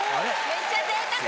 ・・めっちゃぜいたく！